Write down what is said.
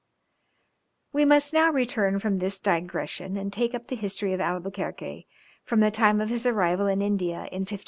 We must now return from this digression and take up the history of Albuquerque, from the time of his arrival in India in 1503.